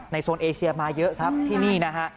โซนเอเชียมาเยอะครับที่นี่นะฮะ